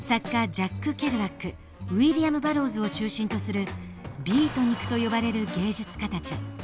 ジャック・ケルアックウィリアム・バロウズを中心とする「ビートニク」と呼ばれる芸術家たち。